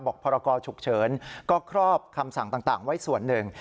พรกรฉุกเฉินก็ครอบคำสั่งต่างไว้ส่วนหนึ่ง